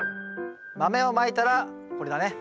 豆をまいたらこれだね。